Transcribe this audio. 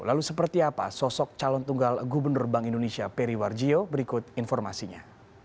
lalu seperti apa sosok calon tunggal gubernur bank indonesia peri warjio berikut informasinya